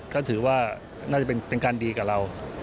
ก็ถือว่าน่าจะเป็นการดีกับเรา